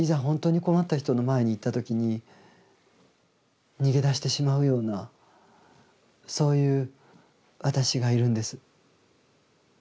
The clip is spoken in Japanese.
本当に困った人の前に行った時に逃げ出してしまうようなそういう私がいるんです。